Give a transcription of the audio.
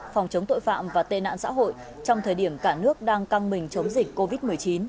phòng chống tội phạm và tên nạn xã hội trong thời điểm cả nước đang căng mình chống dịch covid một mươi chín